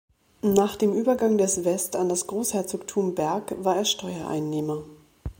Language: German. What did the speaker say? Nach dem Übergang des Vest an das Großherzogtum Berg war er Steuereinnehmer.